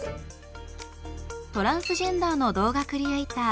トランスジェンダーの動画クリエイター